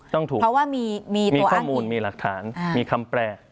ต้องถูกเพราะว่ามีตัวอ้างอิงมีข้อมูลมีหลักฐานมีคำแปร